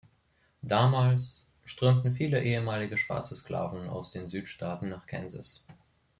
Damals strömten viele ehemalige schwarze Sklaven aus den Südstaaten nach Kansas.